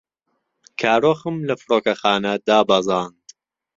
کارۆخم لە فڕۆکەخانە دابەزاند.